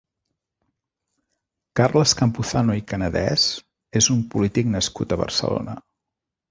Carles Campuzano i Canadès és un polític nascut a Barcelona.